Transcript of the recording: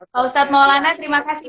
pak ustadz maulana terima kasih